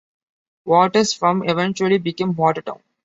Waters' farm eventually became Watertown.